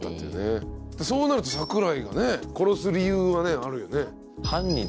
そうなると桜井が殺す理由はあるよね。